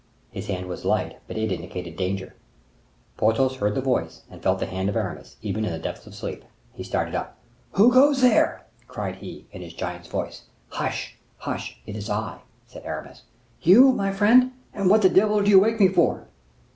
His hand was light, but it indicated danger. Porthos heard the voice and felt the hand of Aramis, even in the depth of sleep. He started up. "Who goes there?" cried he, in his giant's voice. "Hush! hush! It is I," said Aramis. "You, my friend? And what the devil do you wake me for?"